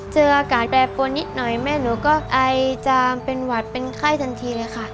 เจออากาศแปรปวนนิดหน่อยแม่หนูก็ไอจามเป็นหวัดเป็นไข้ทันทีเลยค่ะ